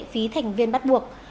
phí thành viên bắt buộc